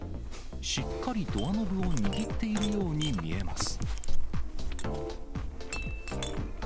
しっかりドアノブを握っているように見えます。